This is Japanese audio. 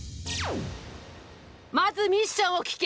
まずミッションを聞け！